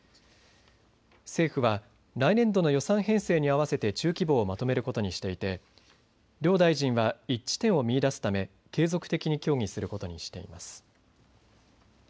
政府は来年度の予算編成にあわせて中期防をまとめることにしていて両大臣は一致点を見いだすため継続的に協議することにしています。